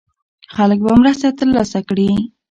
خلک به مرسته ترلاسه کړي.